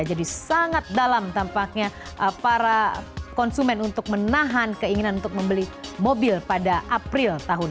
jadi sangat dalam tampaknya para konsumen untuk menahan keinginan untuk membeli mobil pada april